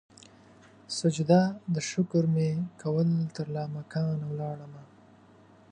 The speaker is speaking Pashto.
سجده د شکر مې کول ترلا مکان ولاړمه